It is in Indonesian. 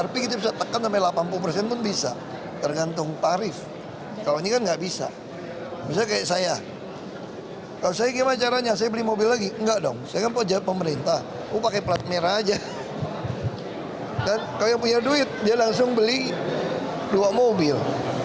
pemerintah akan membeli dua mobil